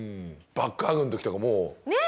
バックハグの時とかもう。ねえ！